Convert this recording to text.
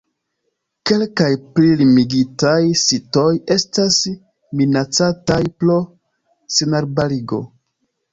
Kelkaj pli limigitaj sitoj estas minacataj pro senarbarigo.